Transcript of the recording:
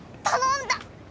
頼んだ！